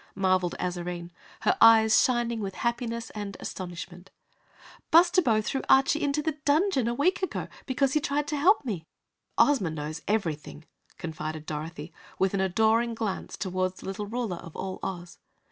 marveled Azarine, her eyes shining with happiness and astonishment. "Bustabo threw Archy into a dungeon a week ago, because he tried to help me!" "Ozma knows everything," confided Dorothy, with an adoring glance toward the little Ruler of all Oz.